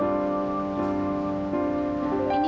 ma aku mau pergi